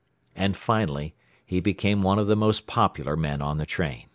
And finally he became one of the most popular men on the train.